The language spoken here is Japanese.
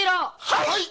はい。